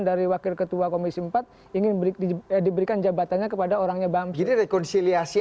dari wakil ketua komisi empat ingin diberikan jabatannya kepada orangnya bang kiri rekonsiliasi